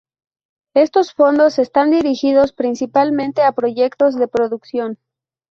Estos fondos están dirigidos principalmente a proyectos de producción.